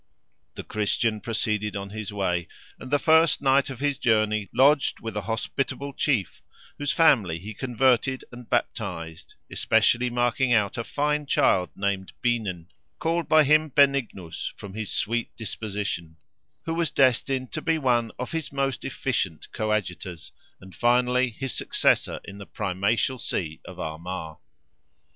The Christian proceeded on his way, and the first night of his journey lodged with a hospitable chief, whose family he converted and baptized, especially marking out a fine child named Beanen, called by him Benignus, from his sweet disposition; who was destined to be one of his most efficient coadjutors, and finally his successor in the Primatial see of Armagh.